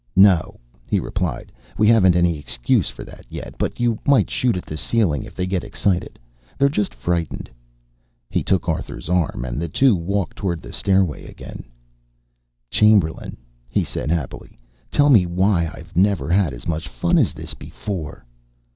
"No," he replied, "we haven't any excuse for that yet. But you might shoot at the ceiling, if they get excited. They're just frightened!" He took Arthur's arm, and the two walked toward the stairway again. "Chamberlain," he said happily, "tell me why I've never had as much fun as this before!"